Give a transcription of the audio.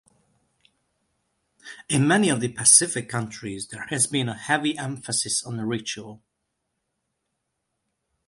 In many of the Pacific countries, there has been a heavy emphasis on ritual.